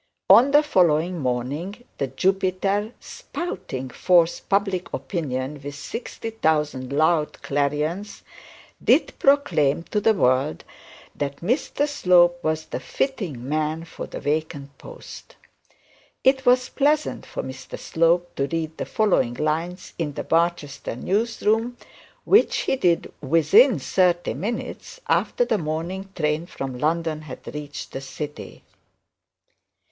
On the following morning the Jupiter, spouting forth public opinion with sixty thousand loud clarions, did proclaim to the world that Mr Slope was the fittest man for the vacant post. It was pleasant for Mr Slope to read the following line in the Barchester news room, which he did within thirty minutes after the morning train from London had reached the city.